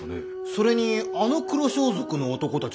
それにあの黒装束の男たちは？